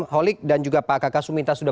holik dan juga pak kakak suminta sudah